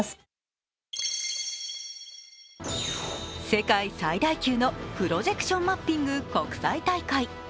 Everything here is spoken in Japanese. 世界最大級のプロジェクションマッピング国際大会。